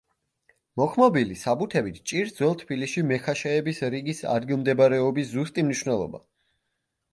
მოხმობილი საბუთებით ჭირს ძველ თბილისში მეხაშეების რიგის ადგილმდებარეობის ზუსტი მნიშვნელობა.